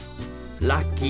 ラッキー！